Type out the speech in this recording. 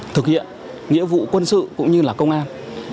thực hiện nghĩa vụ quân sự cũng như là công an